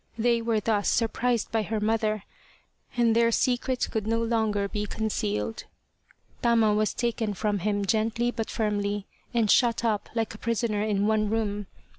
They were thus surprised by her mother, and their secret could no longer be concealed. Tama was taken 103 The Reincarnation of Tama from him gently but firmly and shut up like a prisoner in one room.